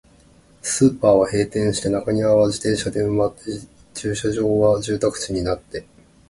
スーパーは閉店して、中庭は自転車で埋まって、駐車場は住宅地になって、